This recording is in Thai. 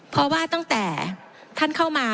เพราะว่าตั้งแต่ท่านเข้ามา